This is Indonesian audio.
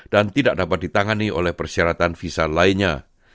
dan tidak dapat ditangani oleh persyaratan visa lainnya